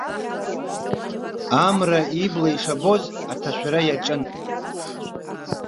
Амра ибла ишабоз аҭашәара иаҿын.